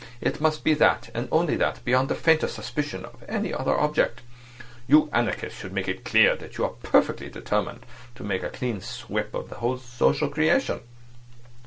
It must be that, and only that, beyond the faintest suspicion of any other object. You anarchists should make it clear that you are perfectly determined to make a clean sweep of the whole social creation.